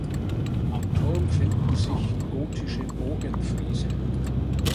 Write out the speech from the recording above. Am Turm finden sich gotische Bogenfriese.